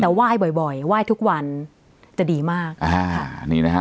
แต่ไหว้บ่อยบ่อยไหว้ทุกวันจะดีมากอ่านี่นะฮะ